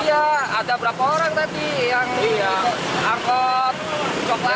iya ada berapa orang tadi yang angkot coklat